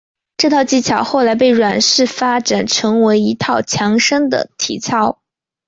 这套技巧后来被阮氏发展成为一套强身的体操。